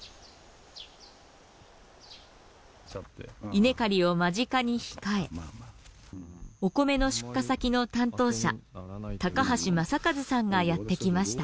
稲刈りを間近に控えお米の出荷先の担当者高橋雅和さんがやってきました。